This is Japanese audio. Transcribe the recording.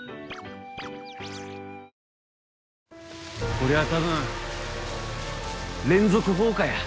こりゃ多分連続放火や。